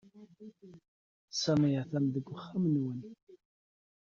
Sami atan deg uxxam-nwen.